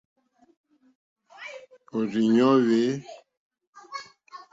Òrzìɲɔ́ hwɛ̂.